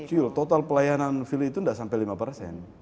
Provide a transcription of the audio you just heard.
kecil total pelayanan feel itu tidak sampai lima persen